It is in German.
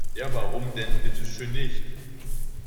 Ja, warum denn bitte schön nicht?